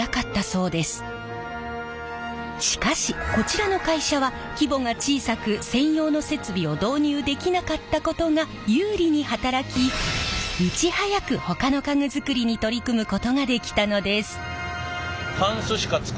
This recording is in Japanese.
しかしこちらの会社は規模が小さく専用の設備を導入できなかったことが有利に働きいち早くほかの家具作りに取り組むことができたのです。